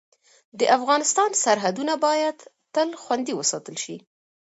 د افغانستان سرحدونه باید تل خوندي وساتل شي.